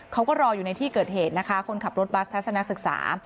เขาก็รออยู่ในที่เกิดเหตุนะคะคนขับรถบัสทัศนศึกษา